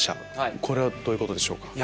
これはどういうことでしょう？